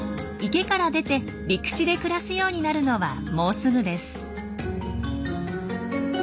池から出て陸地で暮らすようになるのはもうすぐです。